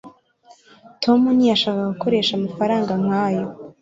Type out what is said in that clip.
tom ntiyashakaga gukoresha amafaranga nkayo